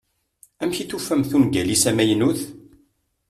Amek tufamt ungal-is amaynut?